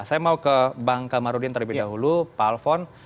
saya mau ke bang kamarudin terlebih dahulu pak alfon